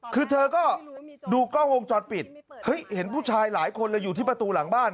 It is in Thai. คือเธอก็ดูกล้องวงจรปิดเฮ้ยเห็นผู้ชายหลายคนเลยอยู่ที่ประตูหลังบ้าน